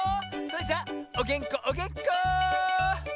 それじゃおげんこおげんこ！